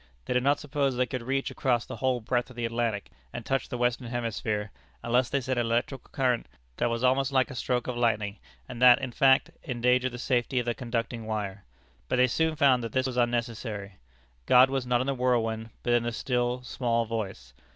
They did not suppose they could reach across the whole breadth of the Atlantic, and touch the Western hemisphere, unless they sent an electric current that was almost like a stroke of lightning; and that, in fact, endangered the safety of the conducting wire. But they soon found that this was unnecessary. God was not in the whirlwind, but in the still, small voice.